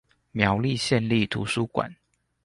苗栗縣立圖書館